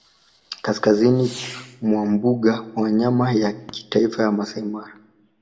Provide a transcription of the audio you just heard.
kaskazini mwa mbuga ya wanyama ya kitaifa ya Maasai Mara